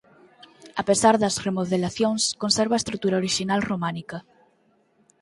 A pesar das remodelacións conserva a estrutura orixinal románica.